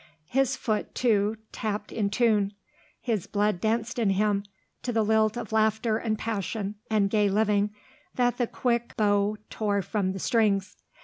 His foot, too, tapped in tune; his blood danced in him to the lilt of laughter and passion and gay living that the quick bow tore from the strings.